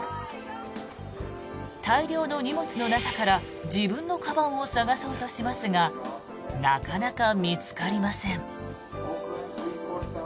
大量の荷物の中から自分のかばんを探そうとしますがなかなか見つかりません。